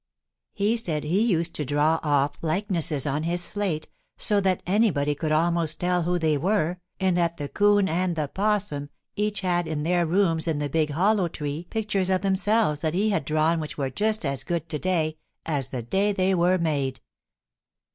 He said he used to draw off likenesses on his slate so that anybody could almost tell who they were and that the 'Coon and the 'Possum each had in their rooms in the Big Hollow Tree pictures of themselves that he had drawn which were just as good to day as the day they were made.